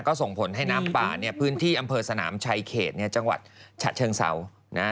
ก็ส่งผลให้น้ำป่าเนี่ยพื้นที่อำเภอสนามชายเขตจังหวัดฉะเชิงเศร้านะ